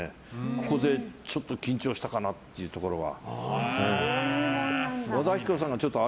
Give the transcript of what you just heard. ここでちょっと緊張したかなっていうところは。